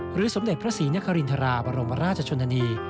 สมเด็จพระศรีนครินทราบรมราชชนนานี